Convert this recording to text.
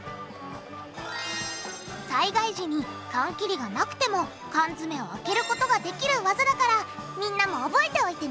災害時に缶切りがなくても缶詰を開けることができるワザだからみんなも覚えておいてね！